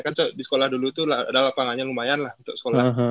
kan di sekolah dulu itu adalah lapangannya lumayan lah untuk sekolah